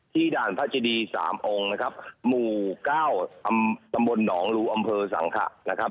ที่ด่านเจดีสามองค์นะครับหมู่๙ตำบลหนองรูอำเภอสังคละนะครับ